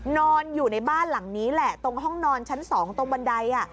นอนอยู่ในบ้านหลังนี้แหละตรงห้องนอนชั้น๒ตรงบันได